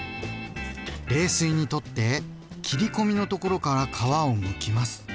冷水にとって切り込みのところから皮をむきます。